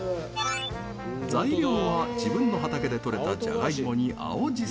材料は、自分の畑で採れたじゃがいもに青じそ。